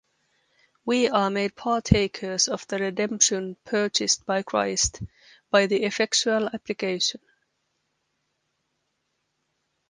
We are made partakers of the redemption purchased by Christ, by the effectual application